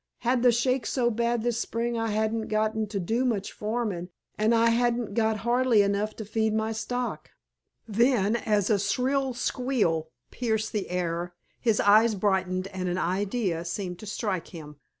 Had th' shakes so bad this spring I hain't got to do much farmin', and I hain't got hardly enough to feed my stock." Then, as a shrill squeal pierced the air his eyes brightened and an idea seemed to strike him.